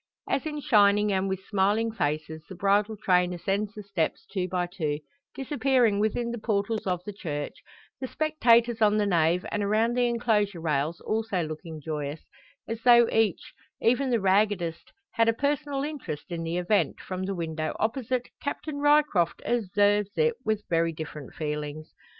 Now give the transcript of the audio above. As in shining and with smiling faces, the bridal train ascends the steps two by two disappearing within the portals of the church, the spectators on the nave and around the enclosure rails also looking joyous, as though each even the raggedest had a personal interest in the event, from the window opposite, Captain Ryecroft observes it with very different feelings.